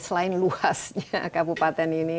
selain luasnya kabupaten ini